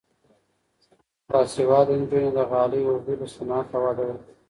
باسواده نجونې د غالۍ اوبدلو صنعت ته وده ورکوي.